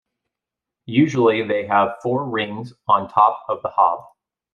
Usually they have four rings on top of the hob.